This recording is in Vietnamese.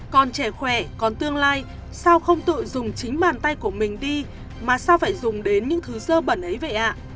còn trẻ khỏe còn tương lai sao không tự dùng chính bàn tay của mình đi mà sao phải dùng đến những thứ dơ bẩn ấy vậy ạ